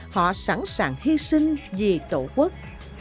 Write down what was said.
họ sẵn sàng hy sinh vì tổ quốc